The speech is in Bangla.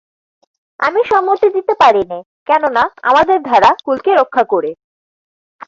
আমি সম্মতি দিতে পারি নে, কেননা আমাদের ধারা কূলকে রক্ষা করে।